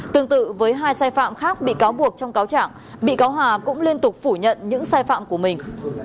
tương tự với hai sai phạm khác bị cáo buộc trong cáo trạng bị cáo hà cũng liên tục phủ nhận những sai phạm của mình